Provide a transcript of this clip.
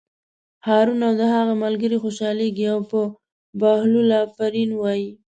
هارون او د هغه ملګري خوشحالېږي او په بهلول آفرین وایي.